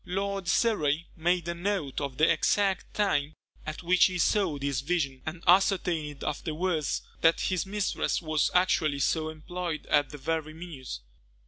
Lord Surrey made a note of the exact time at which he saw this vision, and ascertained afterwards that his mistress was actually so employed at the very minute.